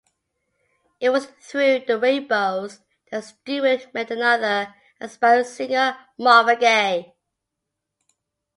It was through The Rainbows that Stewart met another aspiring singer, Marvin Gaye.